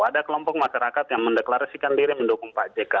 ada kelompok masyarakat yang mendeklarasikan diri mendukung pak jk